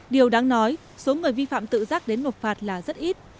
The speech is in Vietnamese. điều đáng nói số người vi phạm tự giác đến một phạt là rất ít